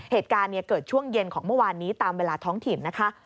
เหตุการณ์เกิดช่วงเย็นของเมื่อวานนี้ตามเวลาท้องถิ่นนะคะ